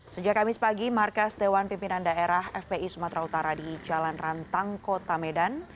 sejak kamis pagi markas dewan pimpinan daerah fpi sumatera utara di jalan rantang kota medan